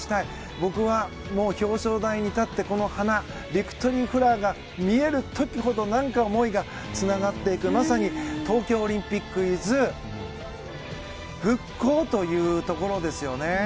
僕は表彰台に立ってこのビクトリーフラワーが見える時ほど思いがつながっていくまさに東京オリンピックｉｓ復興というところ。